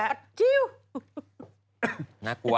น่ากลัว